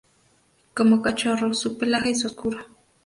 Como cachorro su pelaje es oscuro.